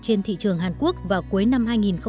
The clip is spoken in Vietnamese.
trên thị trường hàn quốc vào cuối năm hai nghìn một mươi tám